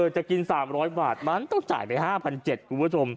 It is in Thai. จะกิน๓๐๐บาทมันต้องจ่ายไป๕๗๐๐คุณผู้ชม